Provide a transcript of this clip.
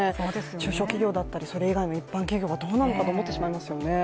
中小企業だったり、それ以外の一般企業がどうなのかと思ってしまいますよね。